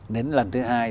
đến lần thứ hai